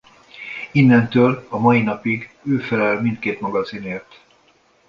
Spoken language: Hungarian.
Innentől a mai napig ő felel mindkét magazinért.